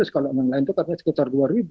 kalau yang lain itu katanya sekitar dua ribu